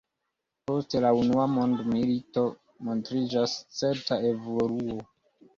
Post la unua mondmilito montriĝas certa evoluo.